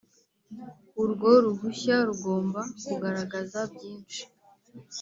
Urwo ruhushya rugomba kugaragaza byinshi